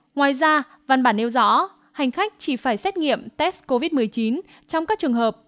ngoài ra văn bản nêu rõ hành khách chỉ phải xét nghiệm test covid một mươi chín trong các trường hợp